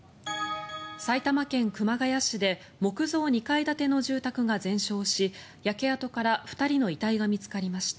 埼玉県熊谷市で木造２階建ての住宅が全焼し焼け跡から２人の遺体が見つかりました。